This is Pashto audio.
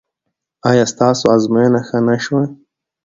ایا ستاسو ازموینه ښه نه شوه؟